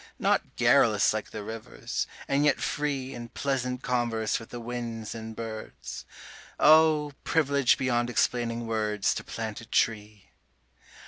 Not garrulous like the rivers; and yet free In pleasant converse with the winds and birds; Oh! privilege beyond explaining words, To plant a tree.